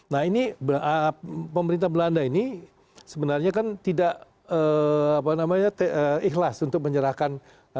nah ini pemerintah belanda ini sebenarnya kan tidak ikhlas untuk menyerahkan